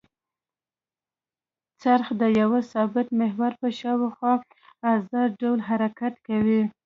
څرخ د یوه ثابت محور په شاوخوا ازاد ډول حرکت کوي.